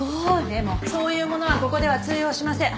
でもそういうものはここでは通用しません。